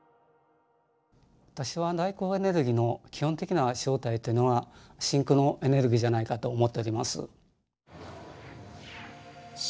私はダークエネルギーの基本的な正体というのは真空のエネルギーじゃないかと思っております。